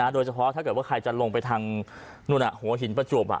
โดยเฉพาะถ้าเกิดว่าใครจะลงไปทางนู่นหัวหินประจวบ